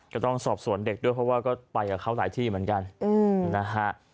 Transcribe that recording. ก็ต้องสอบสวนเด็กด้วยเพราะว่าก็ไปกับเขาหลายที่เหมือนกันนะฮะ